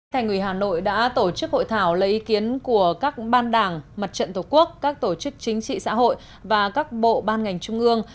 thành ủy hà nội đã tổ chức hội thảo lấy ý kiến của các ban đảng mặt trận tổ quốc các tổ chức chính trị xã hội và các bộ ban ngành trung ương